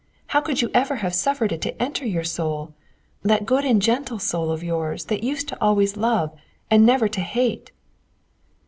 How could you ever have suffered it to enter your soul, that good and gentle soul of yours that used always to love and never to hate?"